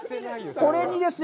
これにですよ！